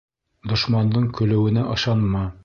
Дошмандың көлөүенә ышанма.